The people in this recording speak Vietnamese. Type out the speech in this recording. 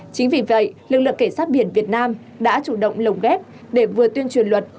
chính vì vậy lực lượng cảnh sát biển việt nam đã chủ động lồng ghép để vừa tuyên truyền luật